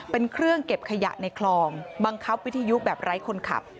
เป็นเครื่องเก็บขยะในคลองบังคับวิทยุแบบไร้คนขับ